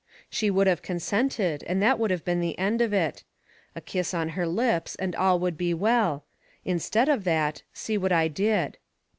She would have consented and that would have been the end of it. A kiss on her lips and all would be well; instead of that, see what I did.